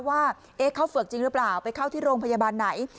ว่าเขาเฝือกจริงหรือเปล่าไปเข้าที่โรงพยาบาลไหน